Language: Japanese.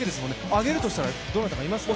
挙げるとしたらどなたかいますか？